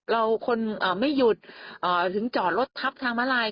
คนไม่หยุดถึงจอดรถทับทางมาลาย